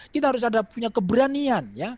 kita harus punya keberanian